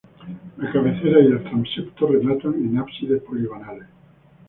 La cabecera y el transepto rematan en ábsides poligonales.